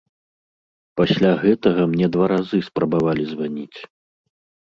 Пасля гэтага мне два разы спрабавалі званіць.